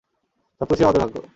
সবকিছুই আমাদের ভাগ্য।